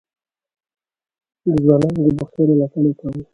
د ځوانانو د بوختيا ملاتړ يې کاوه.